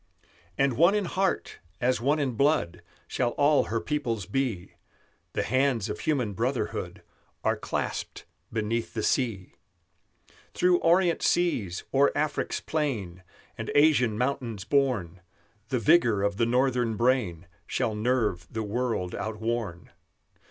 "And one in heart, as one in blood, Shall all her peoples be; The hands of human brotherhood Are clasped beneath the sea. "Through Orient seas, o'er Afric's plain And Asian mountains borne, The vigor of the Northern brain Shall nerve the world outworn.